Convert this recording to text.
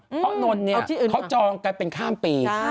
เพราะนนท์เขาจองกันเป็นข้ามปี